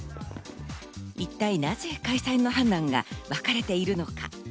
一体なぜ開催の判断が分かれているのか。